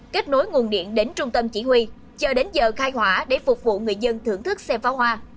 kết nối nguồn điện đến trung tâm chỉ huy chờ đến giờ khai hỏa để phục vụ người dân thưởng thức xem phá hoa